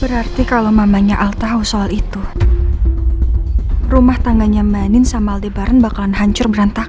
berarti kalau mamanya al tahu soal itu rumah tangganya manin sama aldebaran bakalan hancur berantakan